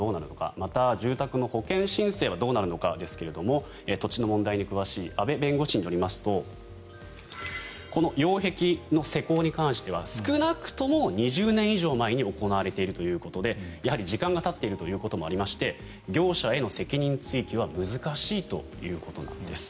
また、住宅の保険申請はどうなるのかですが土地の問題に詳しい阿部弁護士によりますとこの擁壁の施工に関しては少なくとも２０年以上前に行われているということでやはり時間がたっていることもありまして業者への責任追及は難しいということなんです。